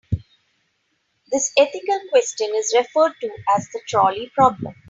This ethical question is referred to as the trolley problem.